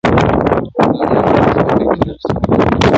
د نورو د ستم په گيلاسونو کي ورک نه يم.